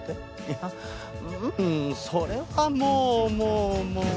いやうんそれはもうもうもう。